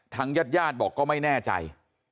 ญาติญาติบอกก็ไม่แน่ใจ